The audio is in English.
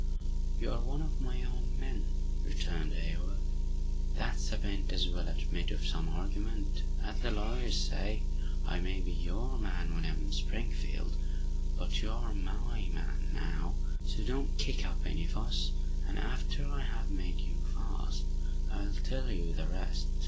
"You are one of my own men!" returned Hayward. "That's a p'int as will admit of some argument, as the lawyers say! I may be your man when I am in Springfield, but you are my man now! So don't kick up any fuss, and after I have made you fast, I'll tell you the rest.